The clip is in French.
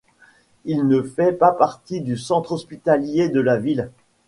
Il ne fait pas partie du Centre hospitalier de la ville.